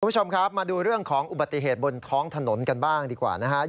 คุณผู้ชมครับมาดูเรื่องของอุบัติเหตุบนท้องถนนกันบ้างดีกว่านะฮะ